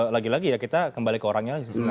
lagi lagi ya kita kembali ke orangnya